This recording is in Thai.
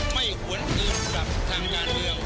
ไม่หวนอื่นกับทางงานเดียว